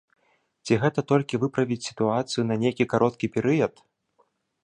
Ці гэта толькі выправіць сітуацыю на нейкі кароткі перыяд?